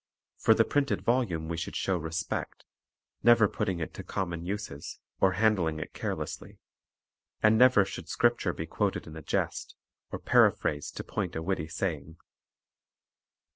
For the printed volume we should show respect, never putting it to common uses, or handling it carelessly. And never should Scripture be quoted in a jest, or paraphrased to point a witty saying.